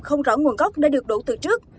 không rõ nguồn gốc đã được đổ từ trước